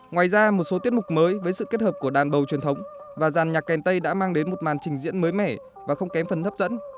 ngoài ra một số tiết mục mới với sự kết hợp của đàn bầu truyền thống và dàn nhạc kèn tây đã mang đến một màn trình diễn mới mẻ và không kém phần hấp dẫn